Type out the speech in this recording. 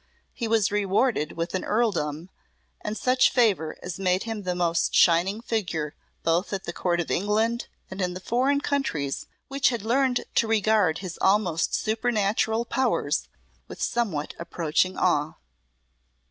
He was rewarded with an earldom and such favour as made him the most shining figure both at the Court of England and in the foreign countries which had learned to regard his almost supernatural powers with somewhat approaching awe.